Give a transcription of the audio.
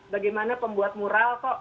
bagaimana pembuat mural kok